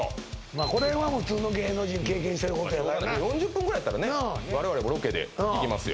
まあこれは普通の芸能人経験してることやからな４０分ぐらいやったらね我々もロケで行きますよ